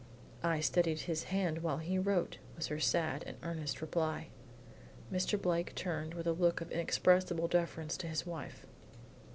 "I steadied his hand while he wrote," was her sad and earnest reply. Mr. Blake turned with a look of inexpressible deference to his wife.